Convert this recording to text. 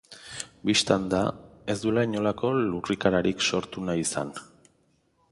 Bistan da, ez duela inolako lurrikararik sortu nahi izan.